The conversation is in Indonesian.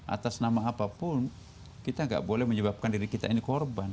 atas nama apapun kita nggak boleh menyebabkan diri kita ini korban